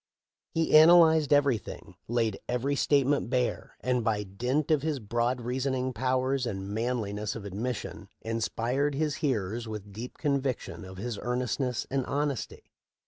He analyzed everything, laid every state ment bare, and by dint of his broad reasoning pow ers and manliness of admission inspired his hearers with deep conviction of his earnestness and hon esty.